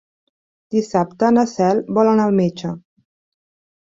Dissabte na Cel vol anar al metge.